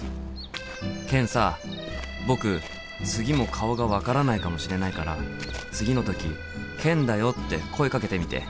ケンさ僕次も顔が分からないかもしれないから次の時「ケンだよ」って声かけてみて。